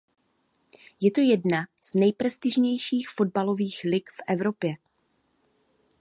Je to jedna z nejprestižnějších fotbalových lig v Evropě.